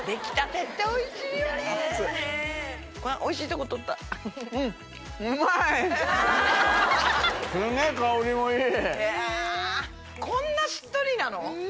こんなしっとりなの？